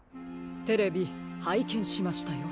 テレビはいけんしましたよ。